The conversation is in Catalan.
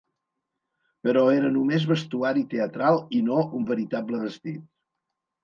Però era només vestuari teatral i no un veritable vestit.